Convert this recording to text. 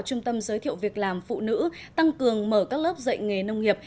trung tâm giới thiệu việc làm phụ nữ tăng cường mở các lớp dạy nghề nông nghiệp